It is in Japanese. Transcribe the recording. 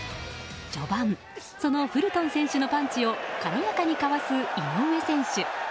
序盤そのフルトン選手のパンチを軽やかにかわす井上選手。